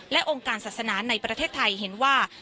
และองค์การศาสนาในประเทศไทยเห็นว่า